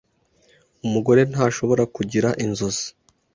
Umugore ntashobora kugira inzozi?